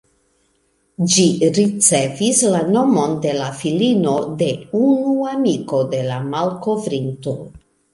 Ĝi ricevis la nomon de la filino de unu amiko de la malkovrinto.